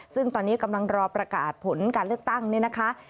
ซึ่งตอนนี้กำลังรอประกาศผลการเลือกตั้งเนี่ยนะคะ